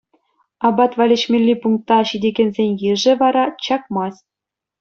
Апат валеҫмелли пункта ҫитекенсен йышӗ вара чакмасть.